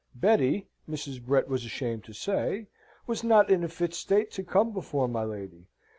Betty, Mrs. Brett was ashamed to say, was not in a fit state to come before my lady.